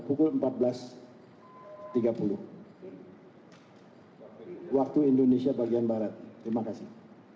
pukul empat belas tiga puluh waktu indonesia bagian barat terima kasih